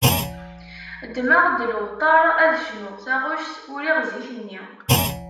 Ddmeɣ-d lewṭer ad cnuɣ taɣect uriɣ zik-nni.